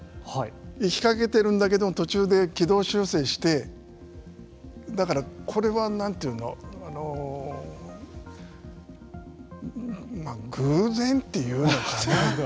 行きかけているけれども途中で軌道修正してだから、これは何というの偶然というのかな。